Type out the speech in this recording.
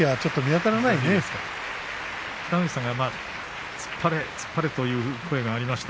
北の富士さんが突っ張れ突っ張れという声がありました。